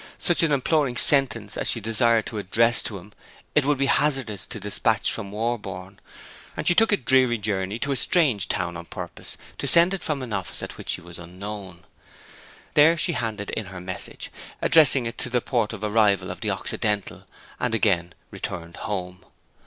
Such an imploring sentence as she desired to address to him it would be hazardous to despatch from Warborne, and she took a dreary journey to a strange town on purpose to send it from an office at which she was unknown. There she handed in her message, addressing it to the port of arrival of the Occidental, and again returned home.